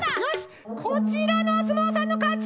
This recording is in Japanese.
こちらのおすもうさんのかち！